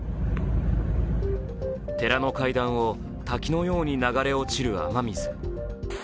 寺の階段を滝のように流れ落ちる雨水。